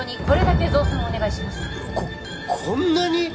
ここんなに！？